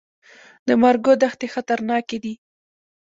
د مارګو دښتې خطرناکې دي؟